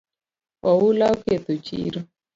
Oula oketho chiro